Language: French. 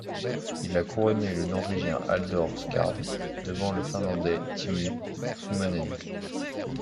Il a couronné le Norvégien Halldor Skard devant le Finlandais Teemu Summanen.